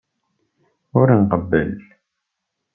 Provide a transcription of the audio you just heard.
Ur nqebbel.